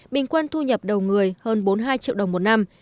bình quân thu nhập đầu người hơn bốn mươi hai triệu đồng một năm